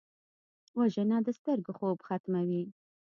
وژنه د سترګو خوب ختموي